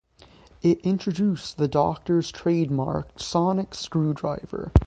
It introduced the Doctor's trademark sonic screwdriver.